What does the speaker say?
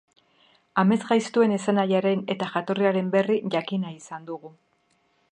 Amesgaiztoen esanahiaren eta jatorriaren berri jakin nahi izan dugu.